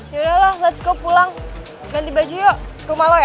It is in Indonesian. yaudah lo let's go pulang ganti baju yuk rumah lo ya